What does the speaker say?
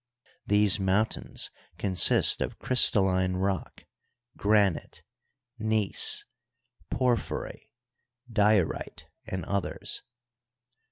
These mountains consist of crystalline rock, granite, gneiss, porphyry, diorite, and others.